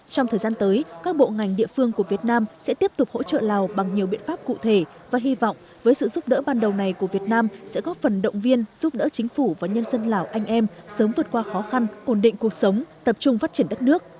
trong thời gian tới các bộ ngành địa phương của việt nam sẽ tiếp tục hỗ trợ lào bằng nhiều biện pháp cụ thể và hy vọng với sự giúp đỡ ban đầu này của việt nam sẽ góp phần động viên giúp đỡ chính phủ và nhân dân lào anh em sớm vượt qua khó khăn ổn định cuộc sống tập trung phát triển đất nước